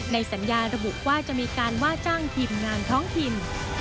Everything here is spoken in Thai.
ในสัญญาระบุว่าจะมีการว่าจ้างทีมงานท้องถิ่น